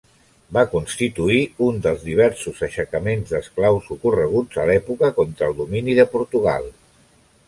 Va constituir un dels diversos aixecaments d'esclaus ocorreguts a l'època contra el domini de Portugal.